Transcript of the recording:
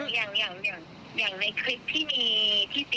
อย่างในคลิปที่มี